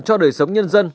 cho đời sống nhân dân